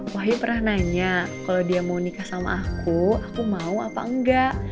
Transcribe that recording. wahyu pernah nanya kalau dia mau nikah sama aku aku mau apa enggak